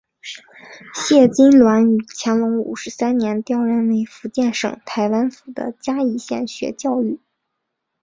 谢金銮于乾隆五十三年调任为福建省台湾府的嘉义县学教谕。